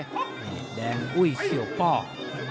นี่แดงอุ้ยเสี่ยวป้อง